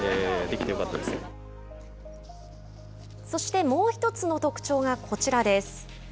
そして、もう１つの特徴がこちらです。